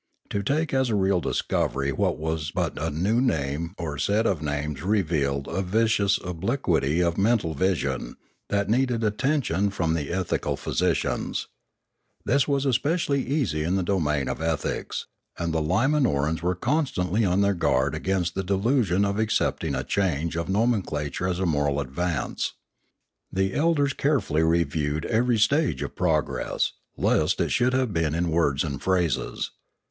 To take as a real discovery what was but a new name or set of names revealed a vicious obliquity of mental vision, that needed attention from the ethical phy sicians. This was especially easy in the domain of ethics, and the Limanorans were constantly on their guard against the delusion of accepting a change of nomenclature as a moral advance. The elders carefully reviewed every stage of progress, lest it should have been in words and phrases.